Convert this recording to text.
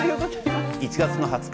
１月２０日